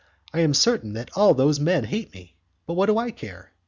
I am certain that all those men hate me, but what do I care?